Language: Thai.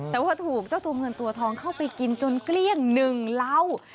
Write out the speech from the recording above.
แต่ว่าถูกเจ้าตัวเงินตัวทองเข้าไปกินจนเกลี้ยงหนึ่งเหล้า